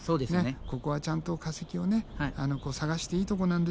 ここはちゃんと化石を探していいとこなんですよ